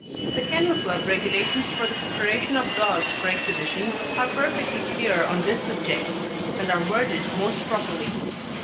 The Kennel Club regulations for the preparation of dogs for exhibition are perfectly clear on this subject, and are worded most properly.